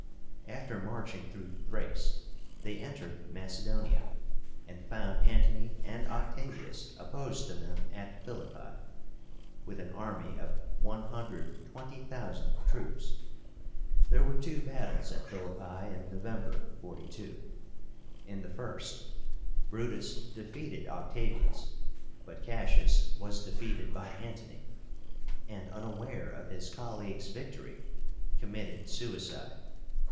After marching through Thrace they entered Macedonia, and found Antony and Octavius opposed to them at PHILIPPI, with an army of 120,000 troops. There were two battles at Philippi in November, 42. In the first, Brutus defeated Octavius; but Cassius was defeated by Antony, and, unaware of his colleague's victory, committed suicide.